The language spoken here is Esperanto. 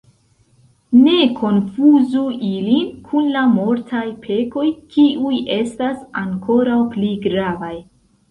Ne konfuzu ilin kun la mortaj pekoj, kiuj estas ankoraŭ pli gravaj.